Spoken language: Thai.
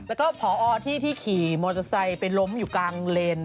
แล้วก็พอที่ขี่มอเตอร์ไซค์ไปล้มอยู่กลางเลน